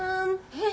えっ？